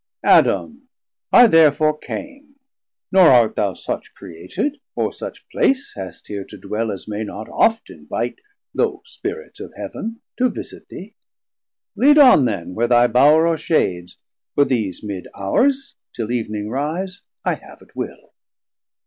Adam, I therefore came, nor art thou such Created, or such place hast here to dwell, As may not oft invite, though Spirits of Heav'n To visit thee; lead on then where thy Bowre Oreshades; for these mid hours, till Eevning rise I have at will.